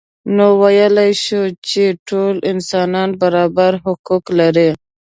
نو ویلای شو چې ټول انسانان برابر حقوق لري.